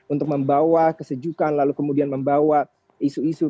untuk membawa kesejukan lalu kemudian membawa isu isu